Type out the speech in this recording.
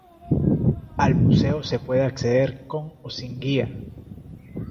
Al museo se puede acceder con o sin guía.